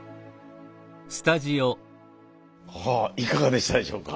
はぁいかがでしたでしょうか？